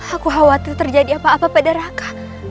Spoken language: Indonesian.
aku khawatir terjadi apa apa pada raka